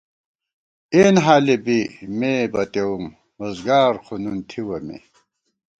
اېنحالےبی مے بتیَوُم، ووزگار خو نُن تھِوَہ مے